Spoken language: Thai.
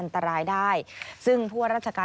สวัสดีค่ะสวัสดีค่ะ